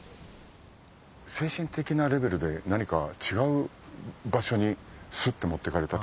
精神的なレベルで何か違う場所にスッて持ってかれた。